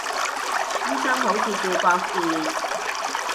醫生好似叫博士